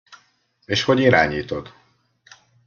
És hogy irányítod?